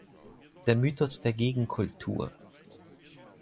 Der Mythos der Gegenkultur".